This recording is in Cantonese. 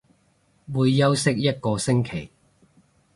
會休息一個星期